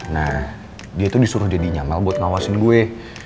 nah dia tuh disuruh jadinya mel buat ngawasin gue